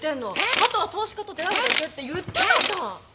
あとは投資家と出会うだけって言ってたじゃん。